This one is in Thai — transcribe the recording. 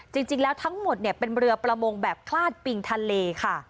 จริงแล้วทั้งหมดเนี่ยเป็นเรือประมงแบบคลาดปิงทะเลค่ะ